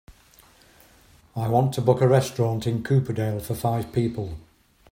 I want to book a restaurant in Cooperdale for five people.